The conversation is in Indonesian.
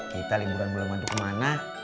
kita liburan bulan bandung kemana